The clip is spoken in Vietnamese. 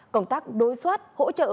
công tác đối soát hỗ trợ